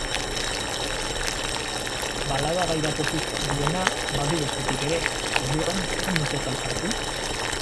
Balada gai batek batetik duena badu bestetik ere, orduan zein multzotan sartu?